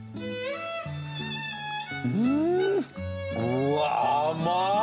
うわ甘い！